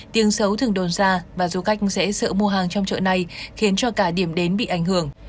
tiếng xấu thường đồn ra và du khách sẽ sợ mua hàng trong chợ này khiến cho cả điểm đến bị ảnh hưởng